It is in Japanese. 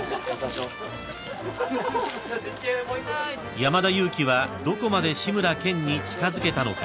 ［山田裕貴はどこまで志村けんに近づけたのか？］